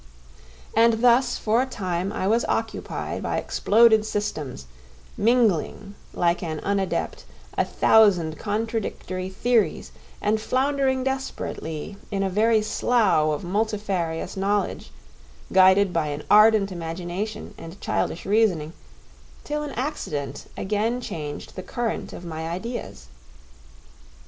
And thus for a time I was occupied by exploded systems, mingling, like an unadept, a thousand contradictory theories and floundering desperately in a very slough of multifarious knowledge, guided by an ardent imagination and childish reasoning, till an accident again changed the current of my ideas.